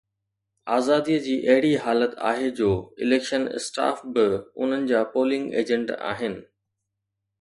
آزاديءَ جي اهڙي حالت آهي جو اليڪشن اسٽاف به انهن جا پولنگ ايجنٽ آهن